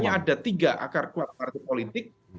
tidak hanya ada tiga akar kuat partai politik